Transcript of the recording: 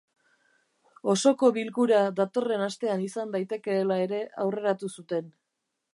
Osoko bilkura datorren astean izan daitekeela ere aurreratu zuten.